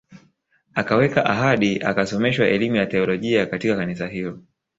Akaweka ahadi akasomeshwa elimu ya teolojia katika kanisa hilo